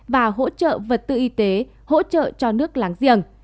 và hỗ trợ vật tư y tế hỗ trợ cho nước láng giềng